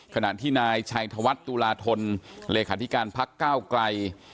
ขณะที่นายชัยธวัฒน์ตุลาธนเลขาธิการพักก้าวไกล